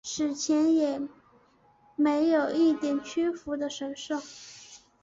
死前也没有一点屈服的神色。